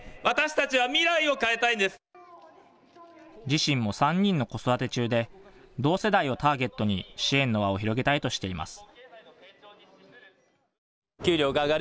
自身も３人の子育て中で、同世代をターゲットに支援の輪を広げたいとしています。